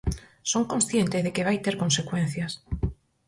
Son consciente de que vai ter consecuencias.